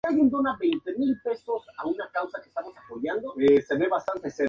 En compensación, al asumir la presidencia, Menem lo nombró embajador en los Estados Unidos.